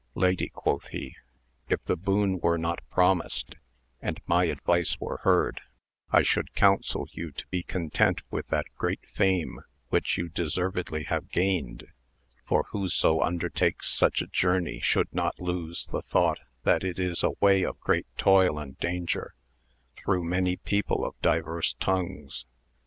Lady, quoth he, if the boon was 3t promised, and my advice were heard, I should ^unsel you to be content with that great fame which >u deservedly have gained, for whoso undertakes such journey should not lose the thought that it is a way r great toil and danger, through many people of Lverse tongues.